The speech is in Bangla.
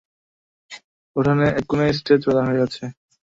উঠানের এক কোণে স্টেজ বাঁধা হইয়াছে।